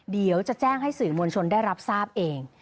เดี๋ยวจะแจ้งให้สื่อมวลชนได้รับทราบเอง